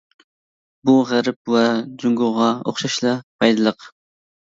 بۇ غەرب ۋە جۇڭگوغا ئوخشاشلا پايدىلىق.